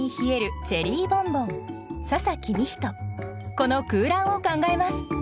この空欄を考えます